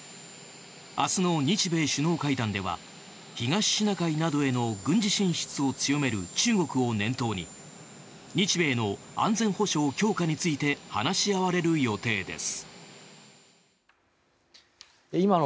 明日の日米首脳会談では東シナ海などへの軍事進出を強める中国を念頭に日米の安全保障強化について話し合われる予定です。